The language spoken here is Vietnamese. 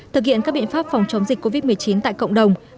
thực hiện các biện pháp phòng chống dịch covid một mươi chín tại cộng đồng